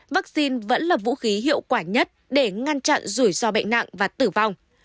vaccine vẫn là vũ khí hiệu quả nhất để ngăn chặn rủi ro bệnh nặng và tử vong